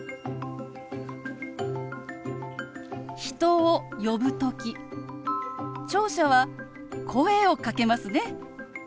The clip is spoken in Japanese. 人を呼ぶ時聴者は声をかけますね。